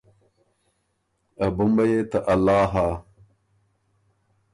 ا بُمبه يې ته الله هۀ۔